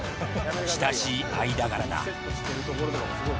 親しい間柄だ。